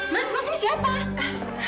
mas masih siapa